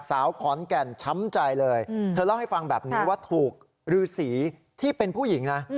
สาวขอนแก่นช้ำใจเลยเธอเล่าให้ฟังแบบนี้ว่าถูกฤษีที่เป็นผู้หญิงนะ